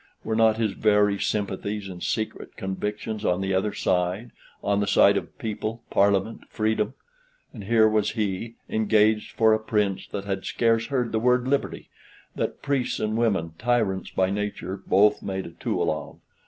Were not his very sympathies and secret convictions on the other side on the side of People, Parliament, Freedom? And here was he, engaged for a Prince that had scarce heard the word liberty; that priests and women, tyrants by nature, both made a tool of.